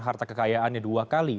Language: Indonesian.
harta kekayaannya dua kali